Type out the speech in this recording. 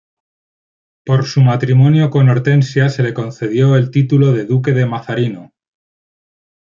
Por su matrimonio con Hortensia se le concedió el título de "Duque de Mazarino".